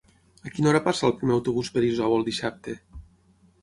A quina hora passa el primer autobús per Isòvol dissabte?